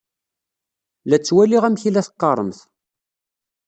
La ttwaliɣ amek i la teqqaṛemt.